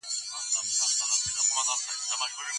په نفاس کي د جماع کولو په اړه شريعت څه وايي؟